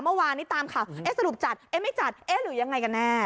เมื่อวานนี้ตามข่าวเอ๊ะสรุปจัดเอ๊ะไม่จัดเอ๊ะหรือยังไงกันแน่